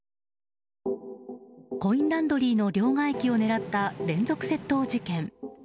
コインランドリーの両替機を狙った連続窃盗事件。